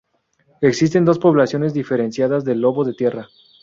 Existen dos poblaciones diferenciadas del lobo de tierra.